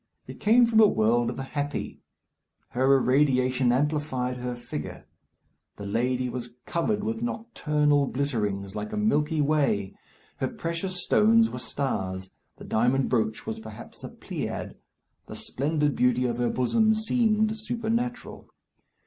It came from a world of the happy. Her irradiation amplified her figure. The lady was covered with nocturnal glitterings, like a milky way. Her precious stones were stars. The diamond brooch was perhaps a pleiad. The splendid beauty of her bosom seemed supernatural.